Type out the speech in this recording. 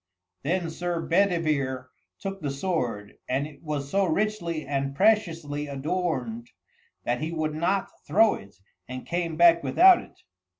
Then Sir Bedivere took the sword, and it was so richly and preciously adorned that he would not throw it, and came back without it.